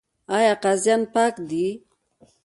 آیا قاضیان پاک دي؟